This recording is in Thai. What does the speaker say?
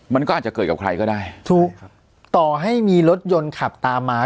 มันก็อาจจะเกิดกับใครก็ได้ถูกครับต่อให้มีรถยนต์ขับตามมา